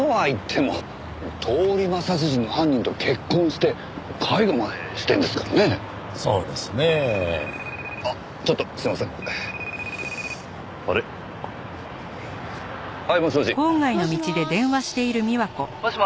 「“もしもし？”